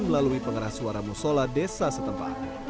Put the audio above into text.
melalui pengeras suara musola desa setempat